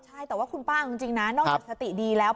ใช่แต่ว่าคุณป้าเอาจริงนะนอกจากสติดีแล้ว